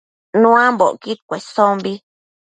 Nuambocquid cuesombi